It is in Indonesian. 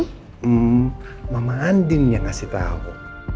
hmm mama andin yang ngasih tau